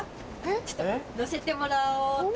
ちょっと乗せてもらおうっと。